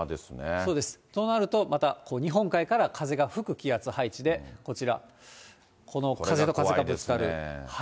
そうです、となると、また日本海から風が吹く気圧配置で、こちら、風と風がぶつかる。